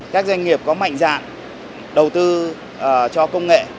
các doanh nghiệp có mạnh dạng đầu tư cho công nghệ